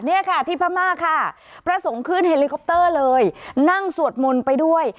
เนี่ยค่ะที่พม่าค่ะพระสงฆ์ขึ้นเฮลิคอปเตอร์เลยนั่งสวดมนต์ไปด้วย